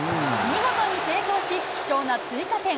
見事に成功し、貴重な追加点。